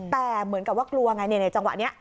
แต่เหมือนกับว่ากลัวไงในจังหวะนี้